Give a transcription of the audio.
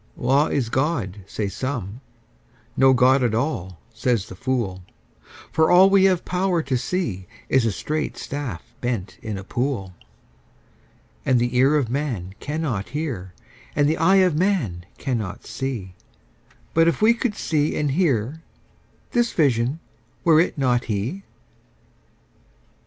Law is God, say some: no God at all, says the fool; For all we have power to see is a straight staff bent in a pool; And the ear of man cannot hear, and the eye of man cannot see; But if we could see and hear, this Vision—were it not He?